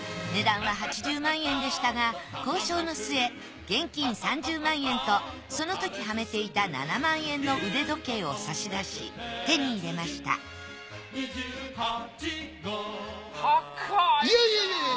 値段は８０万円でしたが交渉の末現金３０万円とその時はめていた７万円の腕時計を差し出し手に入れました高いな！